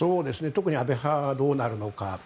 特に安倍派はどうなるのか。